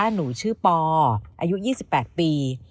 หนูชื่อปออายุ๒๘ปี